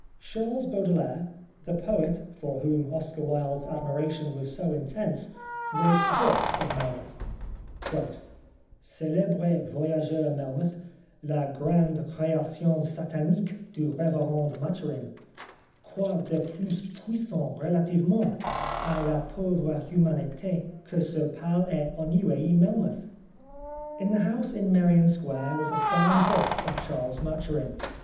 Charles Baudelaire, the poet, for whom Oscar Wilde's admiration was so intense, wrote thus of Melmoth :—" Celebre voyageur Melmoth, la grande crea tion satanique du reverend Maturin. Quoi de plus grand, quoi de plus puissant relativement a la pauvre humanite que ce pale et ennuye Melmoth ?" In the house in Merrion Square was a fine bust of Charles Maturin.